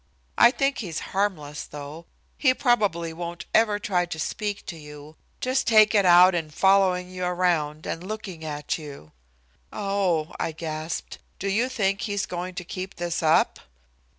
I think he's harmless, though. He probably won't ever try to speak to you just take it out in following you around and looking at you." "Oh," I gasped, "do you think he's going to keep this up?"